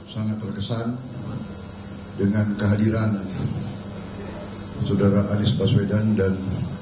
sangat terkesan dengan kehadiran saudara anies baswedan dan